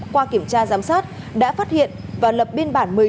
qua kiểm tra giám sát đã phát hiện và lập biên bản một mươi chín